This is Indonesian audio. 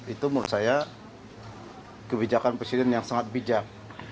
itu menurut saya kebijakan presiden yang sangat bijak